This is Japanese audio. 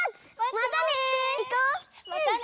またね！